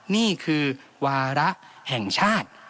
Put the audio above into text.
นี่คือวาระแห่งชาติ